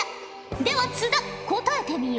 では津田答えてみよ。